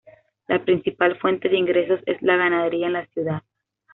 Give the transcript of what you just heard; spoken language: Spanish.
La principal fuente de ingresos es la ganadería en la ciudad.